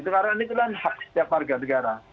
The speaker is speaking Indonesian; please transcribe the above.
karena itu adalah hak setiap warga negara